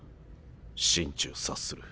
心中察する。